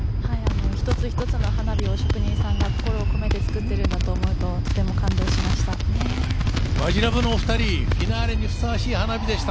ひとつひとつの花火を職人さんが心を込めて作ってるんだと思うととても感動しました。